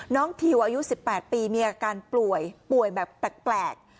ทิวอายุ๑๘ปีมีอาการป่วยป่วยแบบแปลก